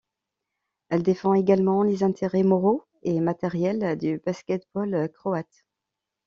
Elle défend également les intérêts moraux et matériels du basket-ball croate.